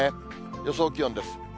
予想気温です。